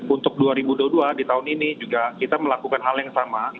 untuk dua ribu dua puluh dua di tahun ini juga kita melakukan hal yang sama